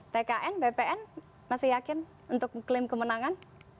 tkn bpn masih yakin untuk klaim kemenangan